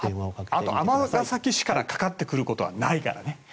尼崎市からかかってくることはないからね。